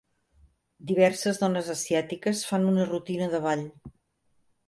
Diverses dones asiàtiques fan una rutina de ball.